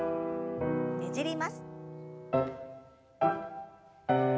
ねじります。